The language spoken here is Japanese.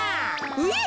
うえっ？